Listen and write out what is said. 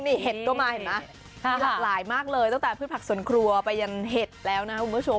นี่เห็ดกดมาหลายมากเลยตั้งแต่พืชผักส่วนครัวไปยังเห็ดแล้วนะคุณผู้ชม